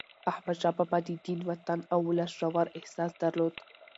احمدشاه بابا د دین، وطن او ولس ژور احساس درلود.